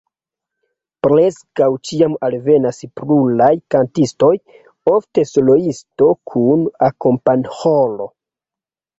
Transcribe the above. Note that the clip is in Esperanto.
Preskaŭ ĉiam alvenas pluraj kantistoj, ofte soloisto kun akompanĥoro.